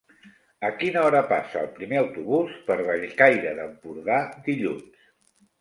A quina hora passa el primer autobús per Bellcaire d'Empordà dilluns?